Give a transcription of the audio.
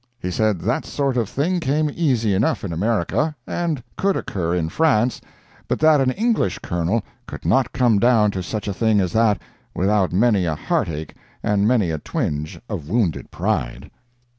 He said that sort of thing came easy enough in America, and could occur in France, but that an English Colonel could not come down to such a thing as that without many a heart ache and many a twinge of wounded pride.